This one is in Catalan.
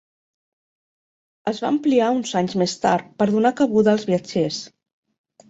Es va ampliar uns anys més tard per donar cabuda als viatgers.